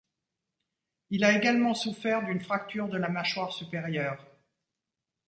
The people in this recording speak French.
Il a également souffert d'une fracture de la mâchoire supérieure.